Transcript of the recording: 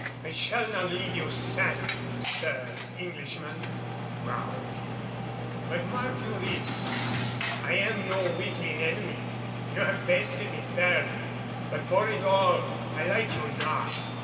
"I shall not leave you sadly, Sir Englishman," growled he. "But mark you this, I am no weakling enemy. You have bested me fairly, but for it all I like you not.